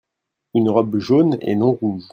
une robe jaune et non rouge.